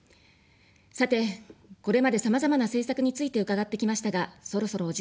さて、これまで、さまざまな政策について伺ってきましたが、そろそろお時間です。